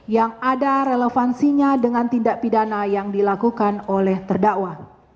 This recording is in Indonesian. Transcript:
yang ada relevansinya dengan tindak pidana yang dilakukan oleh terdakwa